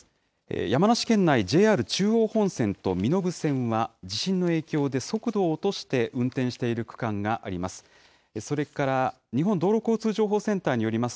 山梨県内、ＪＲ中央本線と身延線は地震の影響で速度を落として運転している区間があります。